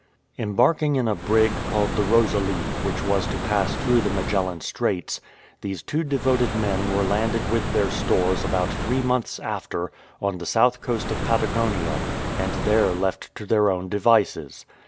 Embarking in a brig called the Rosalie, which was to pass through the Magellan Straits, these two devoted men were landed with their stores about three months after on the south coast of Patagonia, and there left to their own devices.